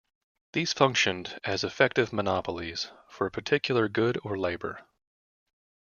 These functioned as effective monopolies for a particular good or labor.